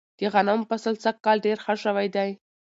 د غنمو فصل سږ کال ډیر ښه شوی دی.